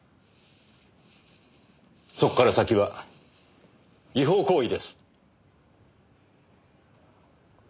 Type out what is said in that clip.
そこから先は違法行為です。